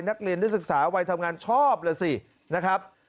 นักเรียนและศึกษาวัยทำงานชอบแล้วสินะครับ